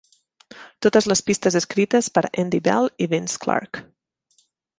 Totes les pistes escrites por Andy Bell i Vince Clarke.